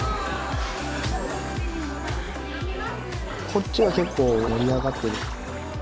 こっちは結構盛り上がってる。